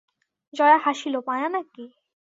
জয়া হাসিল, মায়া নাকি?